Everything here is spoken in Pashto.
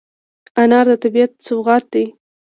انار د طبیعت سوغات دی.